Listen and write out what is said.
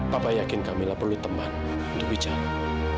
papa yakin kamilah perlu teman untuk bicara